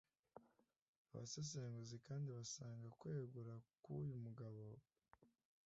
Abasesenguzi kandi basanga kwegura kw’uyu mugabo